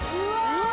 うわ！